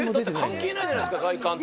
関係ないじゃないですか、外観と。